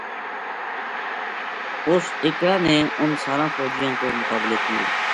اس اِکڑا نے اُنھ ساراں فوجیاں کو مقابلو کیو